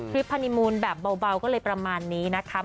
ภิกษิ์พราณีมูลแบบเบาก็เลยประมาณนี้นะคะ